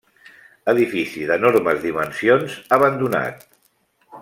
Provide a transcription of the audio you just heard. Edifici d'enormes dimensions abandonat.